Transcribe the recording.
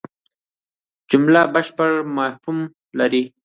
جمله بشپړ مفهوم لري.